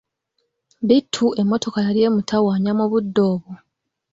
Bittu emmotoka yali emutawanya mu budde obwo.